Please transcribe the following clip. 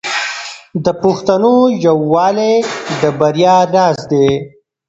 د پښتنو یووالی د بریا راز دی.